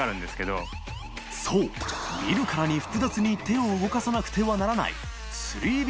見るからに複雑に手を動かさなくてはならない灰咫璽肇